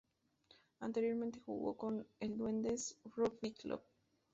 Anteriormente jugó para el Duendes Rugby Club.